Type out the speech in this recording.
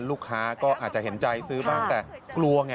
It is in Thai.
ลูกค้าก็อาจจะเห็นใจซื้อบ้างแต่กลัวไง